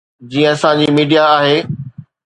جيئن اسان جي ميڊيا آهي.